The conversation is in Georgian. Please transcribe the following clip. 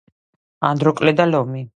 ანდროკლე და ლომი